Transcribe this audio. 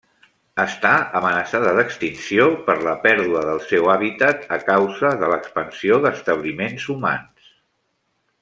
Està amenaçada d'extinció per la pèrdua del seu hàbitat a causa de l'expansió d'establiments humans.